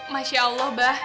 masya allah abah